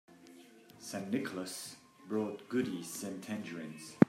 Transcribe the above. St. Nicholas brought goodies and tangerines.